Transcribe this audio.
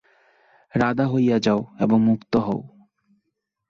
রাধা হইয়া যাও এবং মুক্ত হও।